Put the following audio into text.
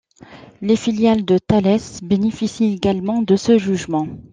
Les filiales de Thales bénéficient également de ce jugement.